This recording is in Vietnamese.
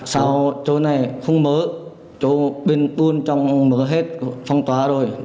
sau chỗ này không mở chỗ bên tuôn trong mở hết phong tỏa rồi